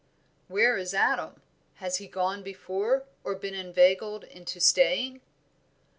"Where is Adam? Has he gone before, or been inveigled into staying?"